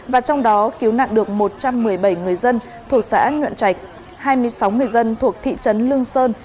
và trong đó cứu nạn được một trăm một mươi bảy người dân thuộc xã nhuận trạch hai mươi sáu người dân thuộc thị trấn lương sơn